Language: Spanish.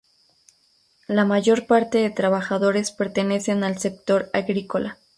La mayor parte de trabajadores pertenecen al sector agrícola.